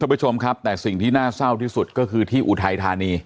ผู้ชมครับแต่สิ่งที่น่าเศร้าที่สุดก็คือที่อุทัยธานี